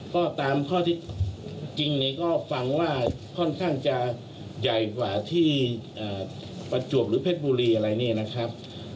ก็ตามข้อที่จริงเนี่ยก็ฟังว่าค่อนข้างจะใหญ่กว่าที่ประจวบหรือเพชรบุรีอะไรเนี่ยนะครับ